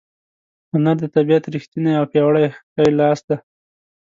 هنر د طبیعت ریښتینی او پیاوړی ښی لاس دی.